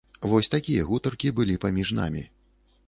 Вось такія гутаркі былі паміж намі.